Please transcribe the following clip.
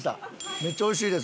めっちゃおいしいです。